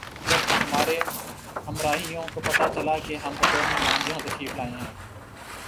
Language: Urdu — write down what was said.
جب ہمارے ہمراہیوں کو پتہ چلا کہ ہم بطور مہمان یہاں تشریف لائے ہیں